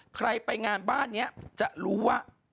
ใครไปงานบ้านนี้จะรู้ว่า